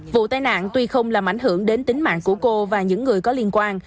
vụ tai nạn tuy không làm ảnh hưởng đến tính mạng của cô và những người có liên quan